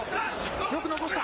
よく残した。